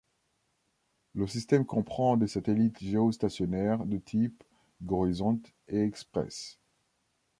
Le système comprend des satellites géostationnaires de type Gorizont et Express.